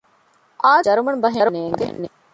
އާދިލާއަށް ޖަރުމަނު ބަހެއް ނޭނގެ